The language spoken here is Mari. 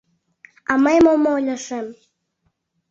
— А мый мом ойлышым!